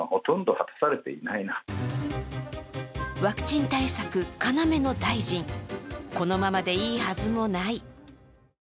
ワクチン対策要の大臣このままでいいはずもない。